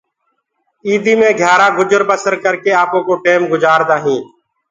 ايِدي مي گھيآرآ منک گجر بسر ڪرڪي آپوڪو ٽيم گُجآردآ هينٚ